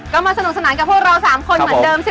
ก็มาสนุกสนันกับแล้ว๓คนเหมือนเดิม